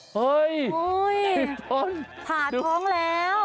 เฮ้ยอีแฝนขาท้องแล้ว